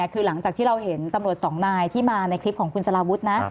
คือหลังจากที่เราเห็นตำรวจสองนายที่มาในคลิปของคุณสลาวุฒินะ